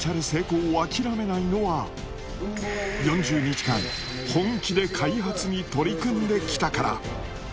成功を諦めないのは、４０日間、本気で開発に取り組んできたから。